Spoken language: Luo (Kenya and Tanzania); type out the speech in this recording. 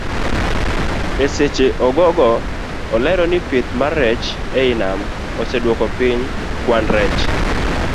Eseche ogogo olero ni pith mar rech ei nam oseduoko piny kwan rech.